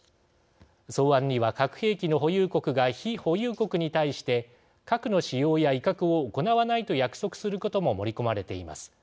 草案には、核兵器の保有国が非保有国に対して核の使用や威嚇を行わないと約束することも盛り込まれています。